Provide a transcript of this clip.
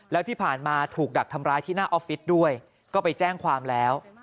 แล้วที่ผ่านมาถูกดักทำร้ายที่หน้าออฟฟิศด้วยก็ไปแจ้งความแล้ว